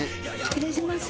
失礼します。